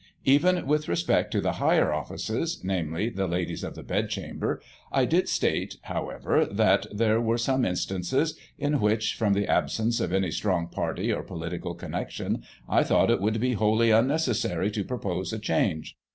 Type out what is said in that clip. Even with respect to the higher offices, namely, the Ladies of the Bedchamber, I did state, however, that there were some instances, in which, from the absence of any strong party, or political, connection, I thought it would be wholly unnecessary to propose a change.